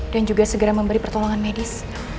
dan juga segera memberi pertolongan medis